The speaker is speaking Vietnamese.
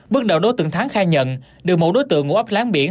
bước đầu đối tượng thắng khai nhận được một đối tượng ngụ ấp láng biển